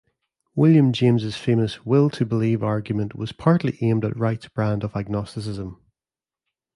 William James's famous will-to-believe argument was partly aimed at Wright's brand of agnosticism.